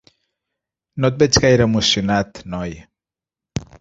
No et veig gaire emocionat, noi.